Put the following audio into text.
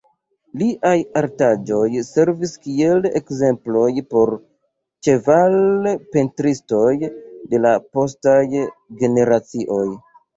Liaj artaĵoj servis kiel ekzemploj por la ĉeval-pentristoj de la postaj generacioj.